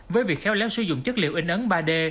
với việc khéo léo sử dụng chất liệu in ấn ba d